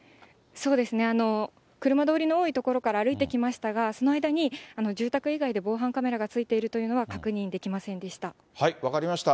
そうですね、車通りの多い所から歩いてきましたが、その間に住宅以外で防犯カメラがついているというのは、確認でき分かりました。